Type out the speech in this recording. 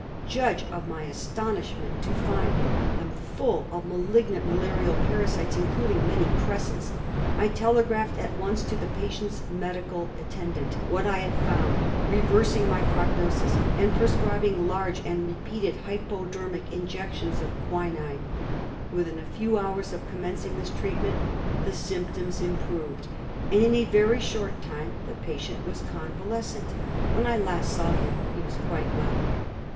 Judge of my astonishment to find them full of malignant malarial parasites, including many crescents. I telegraphed at once to the patient's medical attendant what I had found, reversing my prog nosis and prescribing large and repeated hypodermic in jections of quinine. Within a few hours of commencing this treatment the symptoms improved, and in a very short time the. patient was convalescent. When I last saw him he was quite well.